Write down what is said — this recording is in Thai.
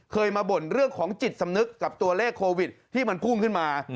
เคยมาบ่นเรื่องของจิตสำนึกกับตัวเลขโควิดที่มันพุ่งขึ้นมา